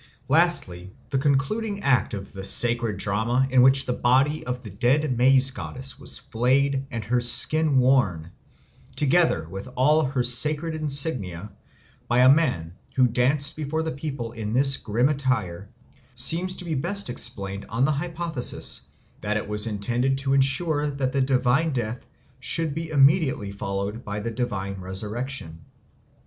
Lastly, the concluding act of the sacred drama, in which the body of the dead Maize Goddess was flayed and her skin worn, together with all her sacred insignia, by a man who danced before the people in this grim attire, seems to be best explained on the hypothesis that it was intended to ensure that the divine death should be immediately followed by the divine resurrection.